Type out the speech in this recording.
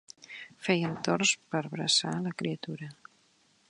Feien torns per bressar la criatura.